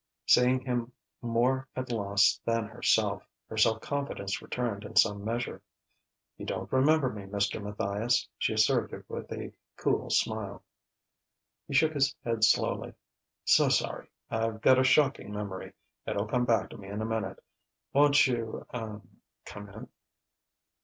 Seeing him more at loss than herself, her self confidence returned in some measure. "You don't remember me, Mr. Matthias," she asserted with a cool smile. He shook his head slowly: "So sorry I've got a shocking memory. It'll come back to me in a minute. Won't you ah come in?"